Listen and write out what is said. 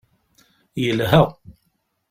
Yelha.